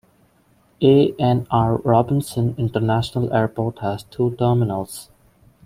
A. N. R. Robinson International Airport has two terminals.